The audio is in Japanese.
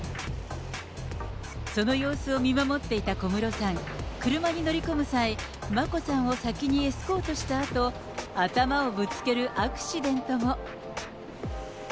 その様子を見守っていた小室さん、車に乗り込む際、眞子さんを先にエスコートしたあと、頭をぶつけるアクシデントも。